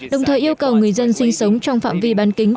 đồng thời yêu cầu người dân sinh sống trong phạm vi bán kính